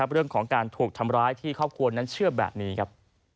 เรื่องของการถูกทำร้ายที่ครอบครัวนั้นเชื่อแบบนี้ครับ